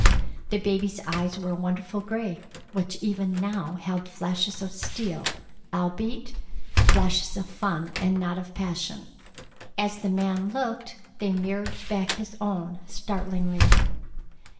The baby's eyes were a wonderful gray, which even now held flashes of steel—albeit flashes of fun and not of passion. As the man looked, they mirrored back his own startlingly.